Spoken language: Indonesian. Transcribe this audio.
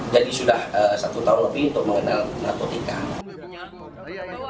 jadi sudah satu tahun lebih untuk mengenal narkotika